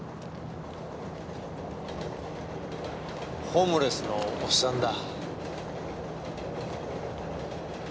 ホームレスのおっさんだ。